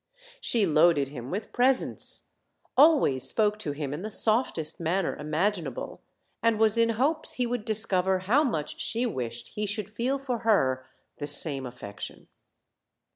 She loaded him with presents, always spoke to him in the softest manner imaginable, and was in hopes he would discover how much she wished he should feel for h,er lame OLD, OLD FAlllY TALES. 8?